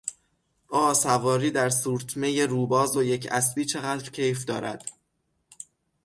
آه، سواری در سورتمهی رو باز و یک اسبی چقدر کیف دارد!